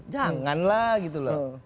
janganlah gitu loh